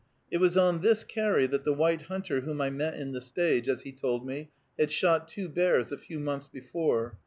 It was on this carry that the white hunter whom I met in the stage, as he told me, had shot two bears a few months before.